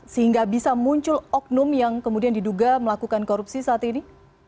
sehingga bisa muncul oknum yang kemudian diduga melakukan korupsi saat ini